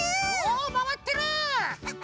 おまわってる！